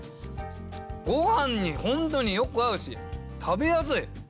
ごはんに本当によく合うし食べやすい！